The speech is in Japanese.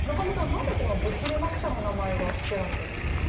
なぜこの物理学者の名前がつけられてるんですか？